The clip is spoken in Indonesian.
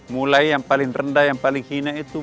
mulai yang paling rendah yang paling hina itu